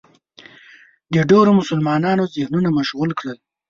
د ډېرو مسلمانانو ذهنونه مشغول کړل